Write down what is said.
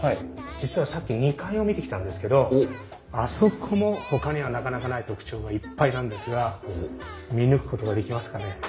実はさっき２階を見てきたんですけどあそこもほかにはなかなかない特徴がいっぱいなんですが見抜くことができますかね？